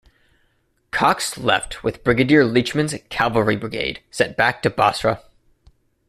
Cox left with Brigadier Leachman's cavalry brigade sent back to Basra.